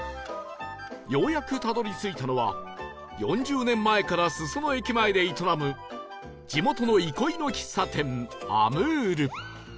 ようやくたどり着いたのは４０年前から裾野駅前で営む地元の憩いの喫茶店 ＡＭＯＵＲ